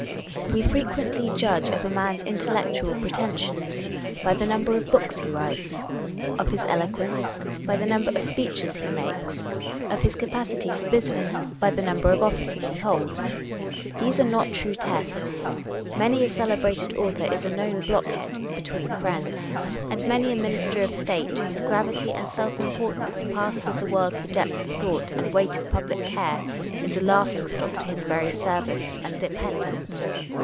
We frequently judge of a 1 Richardson's Works, On the Science of a Connoisseur, p. 212. On Personal Character. 335 man's intellectual pretensions by rtthe number of books be writes ; of bis eloquence, by tbe number of speeches he makes ; of bis capacity for business, by tbe number of offices be holds. These are not true tests. Many a celebrated author is a known blockhead (between friends) ; and many a minister of state, whose gravity and self importance pass with the world for depth of thought and weight of public care, is a laughingstock to his very servants and dependents.